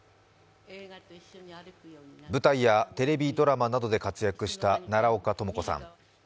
舞台やテレビドラマなどで活躍した奈良岡朋子さん。